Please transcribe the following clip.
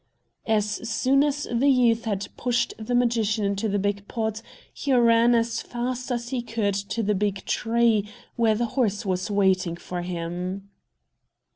As soon as the youth had pushed the magician into the big pot, he ran as fast as he could to the big tree, where the horse was waiting for him.